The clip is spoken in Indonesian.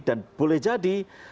dan boleh jadi